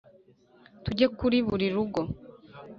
Tujye Kuri Buri Rugo